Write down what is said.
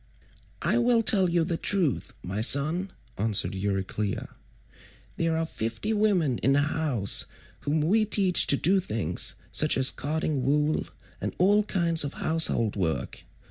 176 "I will tell you the truth, my son," answered Euryclea. "There are fifty women in the house whom we teach to do things, such as carding wool, and all kinds of household work.